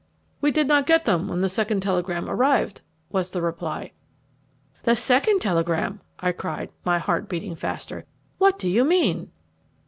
"We did not get them when the second telegram arrived," was the reply. "The second telegram!" I cried, my heart beating fast. "What do you mean?"